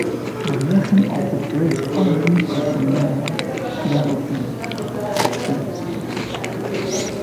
The motion of the bridge earned it the name "Galloping Gertie".